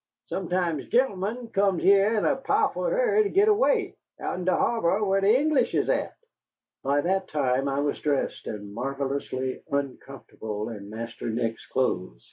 Sometime gentlemen comes heah in a pow'ful hurry to git away, out'n de harbor whah de English is at." By that time I was dressed, and marvellously uncomfortable in Master Nick's clothes.